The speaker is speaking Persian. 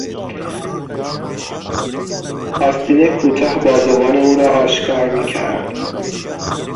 آستین کوتاه بازوان او را آشکار میکرد.